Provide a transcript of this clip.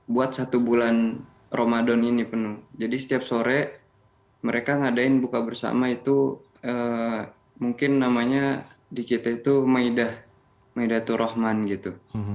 buat satu bulan ramadan ini penuh jadi setiap sore mereka ngadain buka bersama itu mungkin namanya di kita itu maidah maidah tur rahman gitu